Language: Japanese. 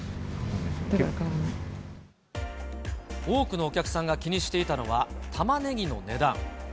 多くのお客さんが気にしていたのは、タマネギの値段。